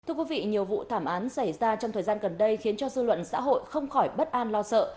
thưa quý vị nhiều vụ thảm án xảy ra trong thời gian gần đây khiến cho dư luận xã hội không khỏi bất an lo sợ